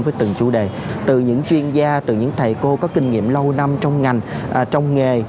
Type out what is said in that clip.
với từng chủ đề từ những chuyên gia từ những thầy cô có kinh nghiệm lâu năm trong nghề